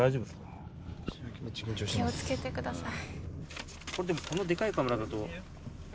気を付けてください。